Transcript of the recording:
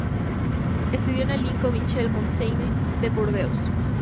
Estudió en el Liceo Michel Montaigne de Burdeos.